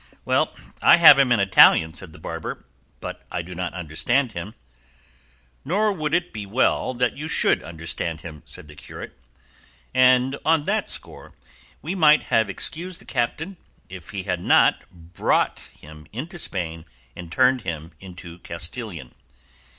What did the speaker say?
"Well, I have him in Italian," said the barber, "but I do not understand him." "Nor would it be well that you should understand him," said the curate, "and on that score we might have excused the Captain if he had not brought him into Spain and turned him into Castilian.